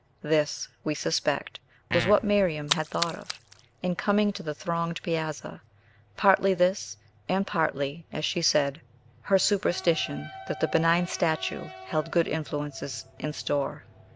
This, we suspect, was what Miriam had thought of, in coming to the thronged piazza; partly this, and partly, as she said, her superstition that the benign statue held good influences in store.